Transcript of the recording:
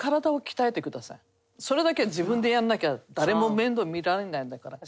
それだけは自分でやらなきゃ誰も面倒見られないんだから。